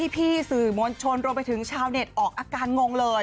พี่สื่อมวลชนรวมไปถึงชาวเน็ตออกอาการงงเลย